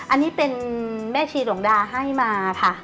อันนี้เป็นแม่ชีหลวงดาให้มาค่ะ